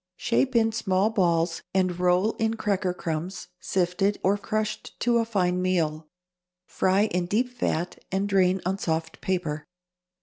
Shape in small balls and roll in cracker crumbs, sifted or crushed to a fine meal; fry in deep fat and drain on soft paper.